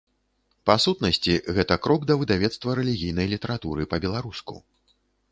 Па сутнасці, гэта крок да выдавецтва рэлігійнай літаратуры па-беларуску.